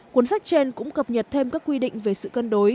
cuốn sách trên cũng cập nhật thêm các quy định về sự cân đối